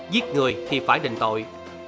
giết người thì phải định tội